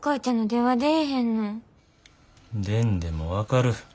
出んでも分かる。